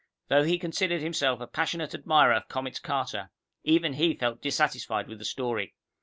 Though he considered himself a passionate admirer of Comets Carter, even he felt dissatisfied with the story.